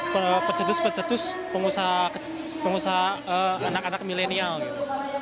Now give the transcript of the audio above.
kecedus pecetus pengusaha anak anak milenial gitu